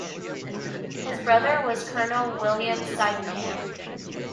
His brother was Colonel William Sydenham.